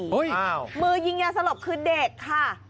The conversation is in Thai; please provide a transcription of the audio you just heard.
มือยิงยาสลบคือเด็กค่ะ